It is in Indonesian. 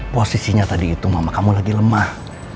posisinya tadi itu mama kamu lagi lemah